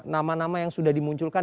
nama nama yang sudah dimunculkan